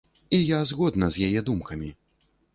І я згодна з яе думкамі.